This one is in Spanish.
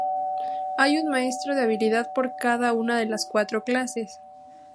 Hay un maestro de habilidad por cada una de las cuatro clases.